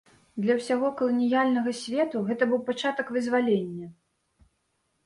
Для ўсяго каланіяльнага свету гэта быў пачатак вызвалення.